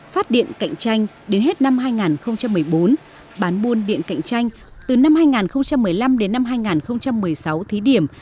phát điện cạnh tranh đến hết năm hai nghìn một mươi bốn bán buôn điện cạnh tranh từ năm hai nghìn một mươi năm đến năm hai nghìn một mươi sáu thí điểm